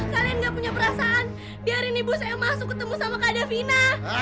kalian gak punya perasaan biarin ibu saya masuk ketemu sama kak davina